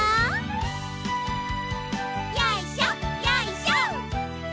よいしょよいしょ。